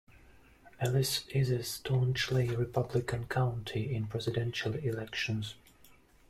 Ellis is a staunchly Republican county in presidential elections.